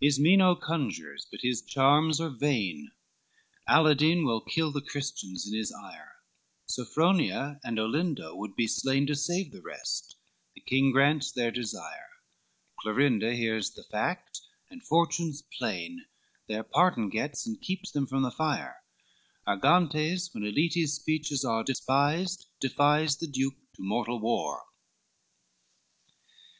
Ismeno conjures, but his charms are vain; Aladine will kill the Christians in his ire: Sophronia and Olindo would be slain To save the rest, the King grants their desire; Clorinda hears their fact and fortunes plain, Their pardon gets and keeps them from the fire: Argantes, when Aletes' speeches are Despised, defies the Duke to mortal war.